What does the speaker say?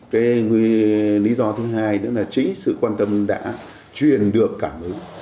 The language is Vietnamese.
lý do thứ hai nữa là chính sự quan tâm đã truyền được cảm ứng